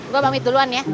gue pamit duluan ya